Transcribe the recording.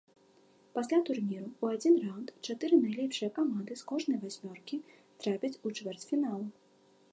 Пасля турніру ў адзін раунд чатыры найлепшыя каманды з кожнай васьмёркі трапяць у чвэрцьфіналу.